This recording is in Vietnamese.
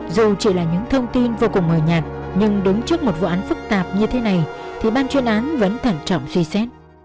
dù chỉ là những thông tin vô cùng mờ nhạt nhưng đứng trước một vụ án phức tạp như thế này thì ban chuyên án vẫn thẳng trọng suy xét